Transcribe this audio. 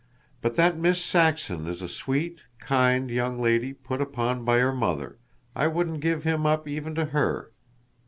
But that Miss Saxon is a sweet, kind, young lady put upon by her mother, I wouldn't give him up even to her.